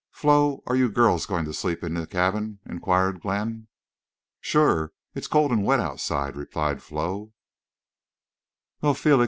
"Flo, are you girls going to sleep here in the cabin?" inquired Glenn. "Shore. It's cold and wet outside," replied Flo.